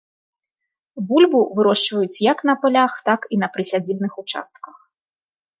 Бульбу вырошчваюць як на палях, так і на прысядзібных участках.